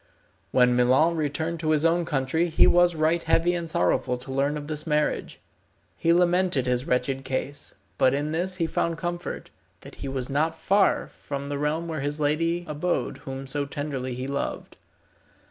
When Milon returned to his own country he was right heavy and sorrowful to learn of this marriage. He lamented his wretched case, but in this he found comfort, that he was not far from the realm where the lady abode whom so tenderly he loved.